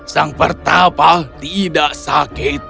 sang pertapa tidak sakit